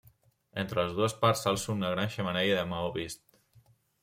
Entre les dues parts s'alça una gran xemeneia de maó vist.